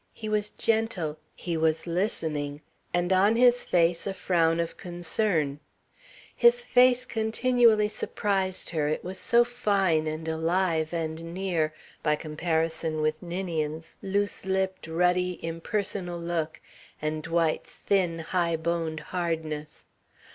He was gentle, he was listening, and on his face a frown of concern. His face continually surprised her, it was so fine and alive and near, by comparison with Ninian's loose lipped, ruddy, impersonal look and Dwight's thin, high boned hardness.